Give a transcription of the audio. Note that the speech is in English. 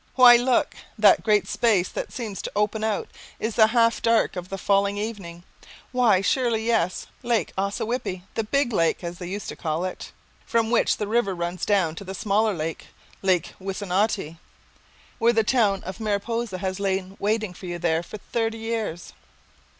Why, look, that great space that seems to open out in the half dark of the falling evening, why, surely yes, Lake Ossawippi, the big lake, as they used to call it, from which the river runs down to the smaller lake, Lake Wissanotti, where the town of Mariposa has lain waiting for you there for thirty years.